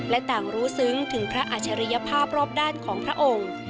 และต่างรู้ซึ้งถึงพระอัจฉริยภาพรอบด้านของพระองค์